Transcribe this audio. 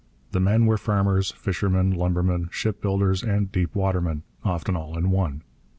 The men were farmers, fishermen, lumbermen, shipbuilders, and 'deepwatermen,' often all in one.